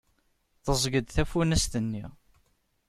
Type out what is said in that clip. Teẓẓeg-d tafunast-nni.